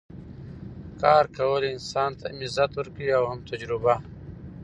کار کول انسان ته هم عزت ورکوي او هم تجربه